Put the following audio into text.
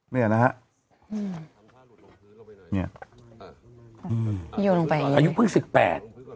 เมื่อ